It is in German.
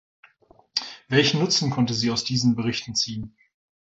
Welchen Nutzen konnte sie aus diesen Berichten ziehen?